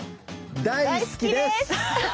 大好きです。